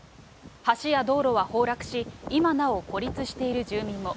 橋や道路は崩落し、今なお、孤立している住民も。